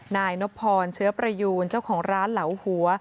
นายนพรเชื้อประยูนเจ้าของร้านเหลาหัว